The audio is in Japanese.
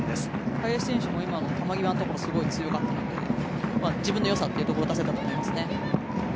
林選手も今の球際のところがすごい強かったので自分のよさを出せたかと思います。